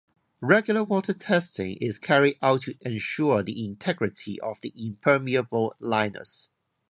Regular water testing is carried out to ensure the integrity of the impermeable liners.